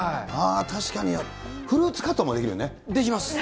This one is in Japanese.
確かに、フルーツカットもできるね。できます。